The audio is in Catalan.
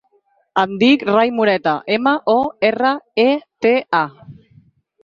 Em dic Rai Moreta: ema, o, erra, e, te, a.